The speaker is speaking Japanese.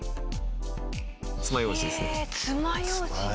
つまようじですね。